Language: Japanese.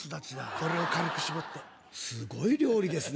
これを軽く搾ってすごい料理ですね